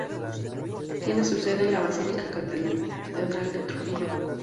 Tiene su sede en la basílica Catedral de Trujillo.